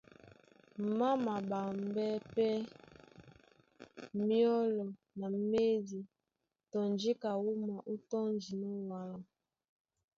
Má maɓambɛ́ pɛ́ myɔ́lɔ na médi tɔ njíka wúma ó tɔ́ndinɔ́ wala.